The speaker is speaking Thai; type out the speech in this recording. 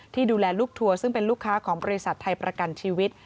ดูแลลูกทัวร์ซึ่งเป็นลูกค้าของบริษัทไทยประกันชีวิต